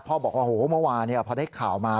พ่อบอกว่าเมื่อวานนี้พอได้ข่าวมา